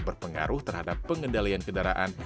berpengaruh terhadap pengendalian kendaraan